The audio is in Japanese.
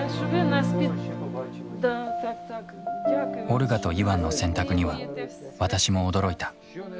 オルガとイワンの選択には私も驚いた。